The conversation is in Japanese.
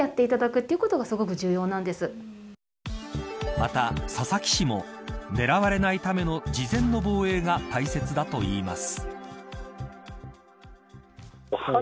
また佐々木氏も狙われないための事前の防衛が大切だといいます。